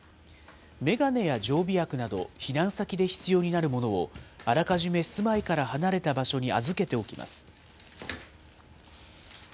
眼鏡や常備薬など、避難先で必要になるものをあらかじめ住まいから離れた場所に預けておきます。